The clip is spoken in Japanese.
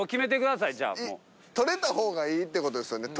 撮れた方がいいってことですよね？